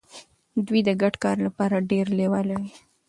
دوی د ګډ کار لپاره ډیر لیواله وي.